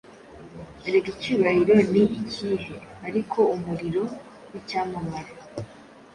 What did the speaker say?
Erega icyubahiro ni ikihe, ariko umuriro wicyamamare,